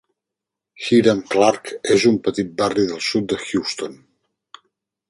Hiram Clarke és un petit barri del sud de Houston.